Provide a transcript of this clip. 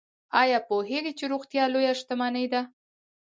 ایا پوهیږئ چې روغتیا لویه شتمني ده؟